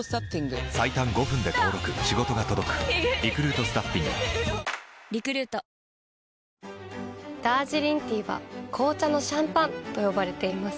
トーンアップ出たダージリンティーは紅茶のシャンパンと呼ばれています。